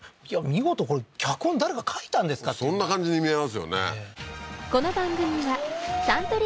見事これ脚本誰か書いたんですかってそんな感じに見えますよね